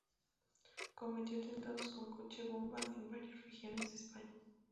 Cometió atentados con coche-bomba en varias regiones de España.